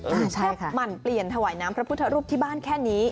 ชอบหมั่นเปลี่ยนถวายน้ำพระพุทธรูปที่บ้านแค่นี้